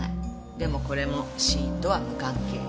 でもこれも死因とは無関係。